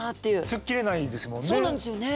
突っ切れないですもんね